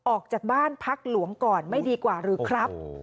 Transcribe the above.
ออกจากบ้านพักหลวงก่อนไม่ดีกว่าหรือครับ